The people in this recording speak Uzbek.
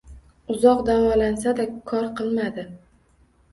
Uzoq davolansa-da, kor qilmadi